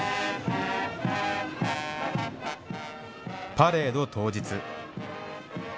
パレード当日。